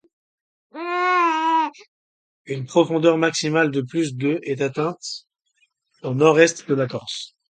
Une profondeur maximale de plus de est atteinte au nord-est de la Corse.